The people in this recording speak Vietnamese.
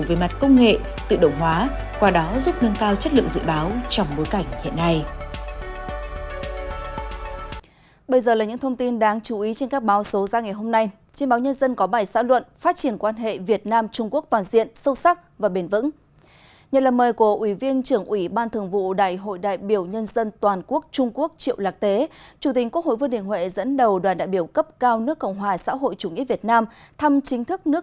về mặt công nghệ tự động hóa qua đó giúp nâng cao chất lượng dự báo trong bối cảnh hiện nay